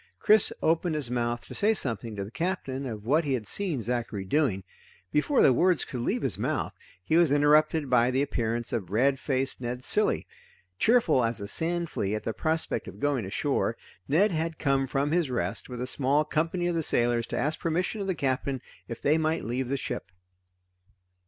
Chris opened his mouth to say something to the Captain of what he had seen Zachary doing. Before the words could leave his mouth, he was interrupted by the appearance of red faced Ned Cilley. Cheerful as a sand flea at the prospect of going ashore, Ned had come from his rest with a small company of the sailors to ask permission of the Captain if they might leave the ship.